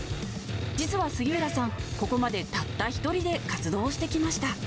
実は杉浦さん、ここまでたった一人で活動してきました。